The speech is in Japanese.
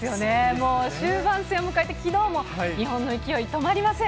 もう、終盤戦を迎えて、きのうも日本の勢い、止まりません。